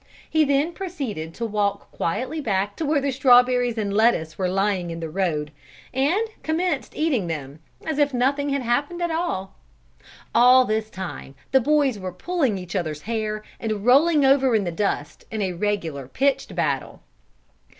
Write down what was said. He then proceeded to walk quietly back to where the strawberries and lettuce were lying in the road, and commenced eating them, as if nothing had happened at all. All this time the boys were pulling each other's hair, and rolling over in the dust, in a regular pitched battle.